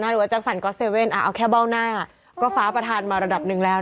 น่ารู้ว่าเจ็กสันก็เซเวนเอาแค่เบ้าหน้าก็ฟ้าประธานมาระดับนึงแล้ว